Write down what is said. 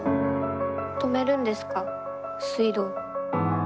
止めるんですか、水道。